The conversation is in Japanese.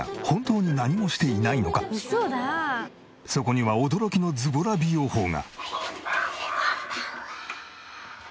そこには驚きのズボラ美容法が。